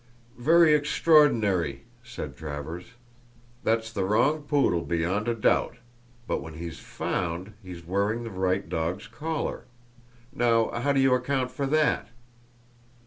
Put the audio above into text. "Very extraordinary," said Travers; "that's the wrong poodle beyond a doubt, but when he's found he's wearing the right dog's collar! Now how do you account for that?"